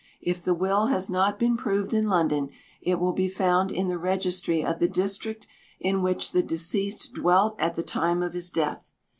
If the will has not been proved in London, it will be found in the registry of the district in which the deceased dwelt at the time of his death.